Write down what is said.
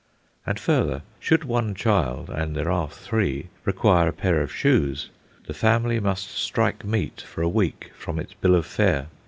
And further, should one child (and there are three) require a pair of shoes, the family must strike meat for a week from its bill of fare.